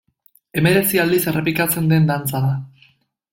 Hemeretzi aldiz errepikatzen den dantza da.